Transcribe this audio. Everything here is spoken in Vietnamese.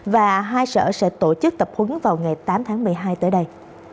và hai sở sẽ tổ chức tập huấn vào ngày tám tháng một mươi hai tới đây